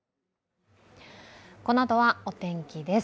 このあとはお天気です。